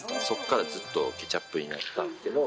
そこからずっとケチャップになって。